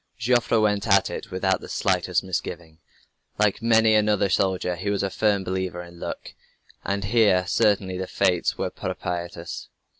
Joffre went at it without the slightest misgiving. Like many another soldier he was a firm believer in "Luck," and here certainly the fates were propitious.